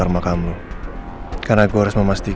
apa yang pada rupanya ada